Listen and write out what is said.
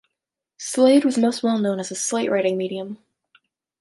Slade was most well known as a slate-writing medium.